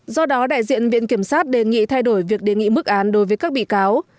do đó đại diện viện kiểm sát đề nghị thay đổi việc đề nghị mức án đối với các bị cáo